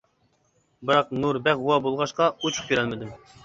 بىراق نۇر بەك غۇۋا بولغاچقا ئۇچۇق كۆرەلمىدىم.